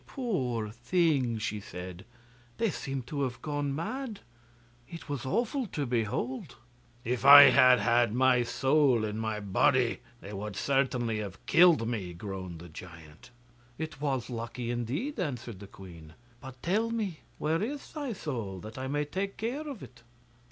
poor thing!' she said, 'they seem to have gone mad; it was awful to behold.' 'If I had had my soul in my body they would certainly have killed me,' groaned the giant. 'It was lucky indeed,' answered the queen; 'but tell me, where is thy soul, that I may take care of it?